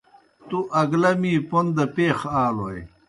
تُوْ اگلہ می پوْن دہ پیخ آلوئے۔